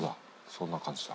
そんな感じだ。